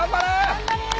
頑張れ！